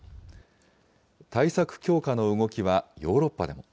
対策強化の動きは、ヨーロッパでも。